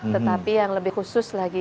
tetapi yang lebih khusus lagi